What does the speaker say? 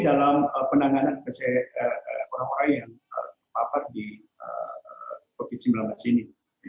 dalam penanganan orang orang yang terpapar di covid sembilan belas ini